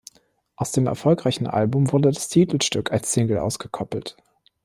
Aus dem erfolgreichen Album wurde das Titelstück als Single ausgekoppelt.